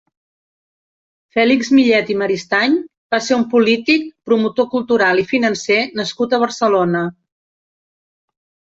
Fèlix Millet i Maristany va ser un polític, promotor cultural i financer nascut a Barcelona.